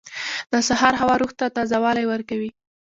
• د سهار هوا روح ته تازه والی ورکوي.